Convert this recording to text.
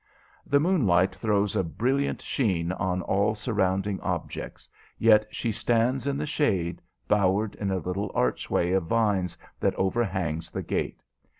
The moonlight throws a brilliant sheen on all surrounding objects, yet she stands in the shade, bowered in a little archway of vines that overhangs the gate.